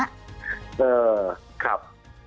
เออครับ